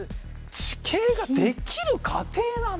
地形ができる過程なんだ。